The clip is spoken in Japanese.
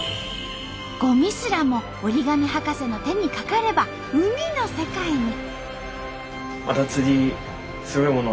ごみすらも折り紙博士の手にかかれば海の世界に！